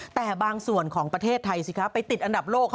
แต่บางส่วนของประเทศไทยสิคะไปติดอันดับโลก